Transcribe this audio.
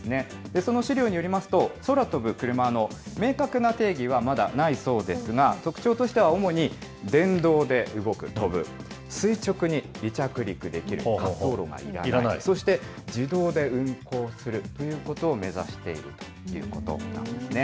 その資料によりますと、空飛ぶクルマの明確な定義はまだないそうですが、特徴としては主に電動で動く、飛ぶ、垂直に離着陸できる、滑走路がいらない、そして自動で運航するということを目指しているということなんですね。